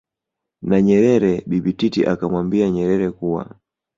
na Nyerere Bibi Titi akamwambia Nyerere kuwa